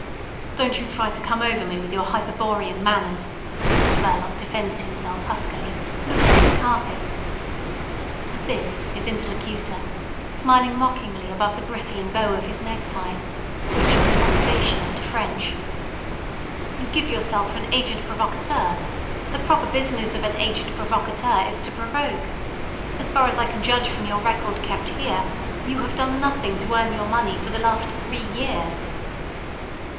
"Don't you try to come over me with your Hyperborean manners," Mr Verloc defended himself huskily, looking at the carpet. At this his interlocutor, smiling mockingly above the bristling bow of his necktie, switched the conversation into French. "You give yourself for an 'agent provocateur.' The proper business of an 'agent provocateur' is to provoke. As far as I can judge from your record kept here, you have done nothing to earn your money for the last three years."